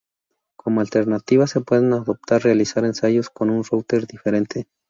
Como alternativa se puede optar por realizar ensayos con un router diferente.